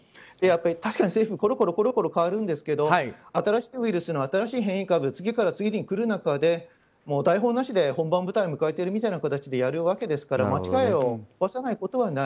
確かに政府コロコロ変わるんですけど新しいウイルスの新しい変異株が次から次に来る中で台本なしで本番の舞台を迎えているみたいな形でやるわけですから間違いを犯さないことはない。